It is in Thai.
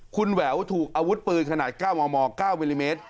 คุณแหววถูกอาวุธปืนขนาด๙มม๙มิลลิเมตร